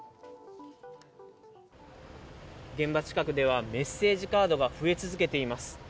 現場近くでは、メッセージカードが増え続けています。